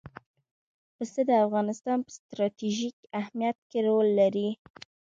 پسه د افغانستان په ستراتیژیک اهمیت کې رول لري.